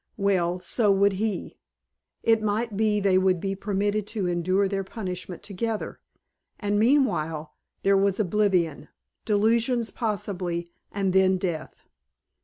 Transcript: Well, so would he. It might be they would be permitted to endure their punishment together. And meanwhile, there was oblivion, delusions possibly, and then death.